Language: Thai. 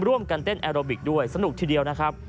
ร่วมกันเต้นแอโรบิกด้วยสนุกทีเดียวนะครับ